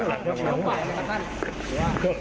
ช่วงบ่ายนะครับท่าน